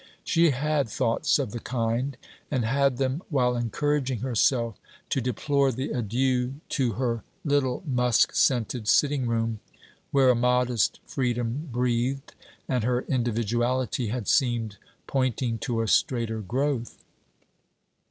She had thoughts of the kind, and had them while encouraging herself to deplore the adieu to her little musk scented sitting room, where a modest freedom breathed, and her individuality had seemed pointing to a straighter growth.